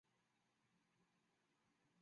很意外会有红茶